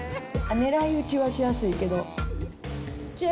ねらい撃ちはしやすいけど。